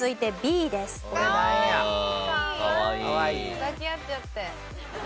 抱き合っちゃって。